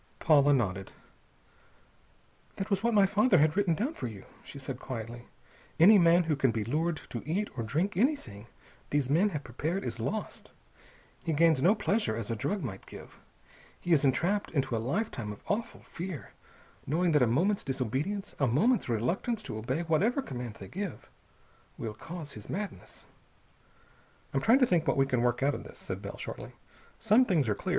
Paula nodded. "That was what my father had written down for you," she said quietly. "Any man who can be lured to eat or drink anything these men have prepared is lost. He gains no pleasure, as a drug might give. He is entrapped into a lifetime of awful fear, knowing that a moment's disobedience, a moment's reluctance to obey whatever command they give, will cause his madness." "I'm trying to think what we can work out of this," said Bell shortly. "Some things are clear.